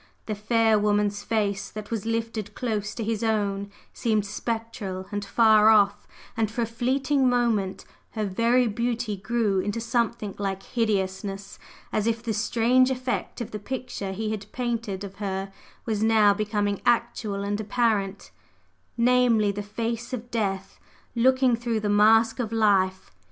The fair woman's face that was lifted so close to his own seemed spectral and far off; and for a fleeting moment her very beauty grew into something like hideousness, as if the strange effect of the picture he had painted of her was now becoming actual and apparent namely, the face of death looking through the mask of life.